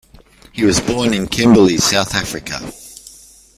He was born in Kimberley, South Africa.